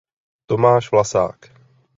Tomáš Vlasák.